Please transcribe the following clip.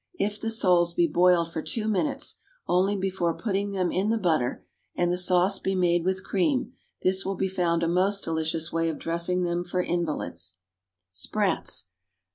If the soles be boiled for two minutes only before putting them in the butter, and the sauce be made with cream, this will be found a most delicious way of dressing them for invalids. =Sprats.